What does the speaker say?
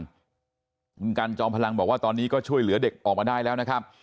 คุณกันจอมพลังบอกว่าตอนนี้ก็ช่วยเหลือเด็กออกมาได้แล้วนะครับ